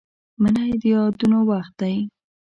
منی د یادونو وخت دی